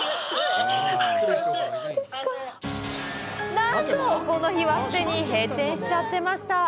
なんと、この日はすでに閉店しちゃってました。